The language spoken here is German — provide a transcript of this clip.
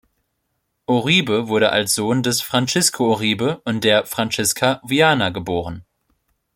Oribe wurde als Sohn des "Francisco Oribe" und der "Francisca Viana" geboren.